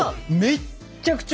めっちゃくちゃ